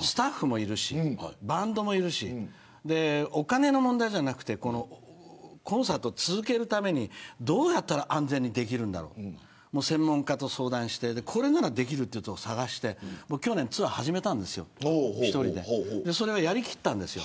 スタッフもいるしバンドもいるしお金の問題じゃなくてコンサート続けるためにどうやったら安全にできるんだろう専門家と相談してこれならできるっていう所を探して、去年ツアー始めたんですよ、一人でそれをやりきったんですよ